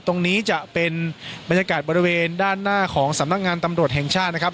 ตรงนี้จะเป็นบรรยากาศบริเวณด้านหน้าของสำนักงานตำรวจแห่งชาตินะครับ